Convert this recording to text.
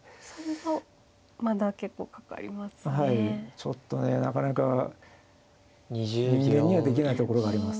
ちょっとねなかなか人間にはできないところがあります。